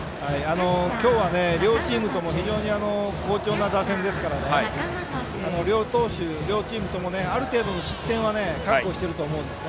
今日は両チームとも非常に好調な打線ですから両チームとも、ある程度の失点は覚悟していると思います。